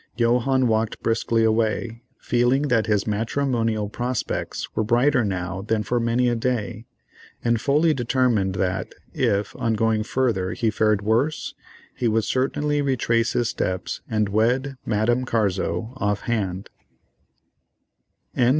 Johannes walked briskly away, feeling that his matrimonial prospects were brighter now than for many a day, and fully determined that if, on going further he fared worse, he would certainly retrace his steps and wed Madame Carzo off hand.